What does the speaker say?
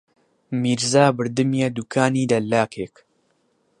میرزا بردمییە دووکانی دەلاکێک